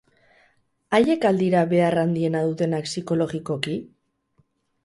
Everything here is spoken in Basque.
Haiek al dira behar handiena dutenak psikologikoki?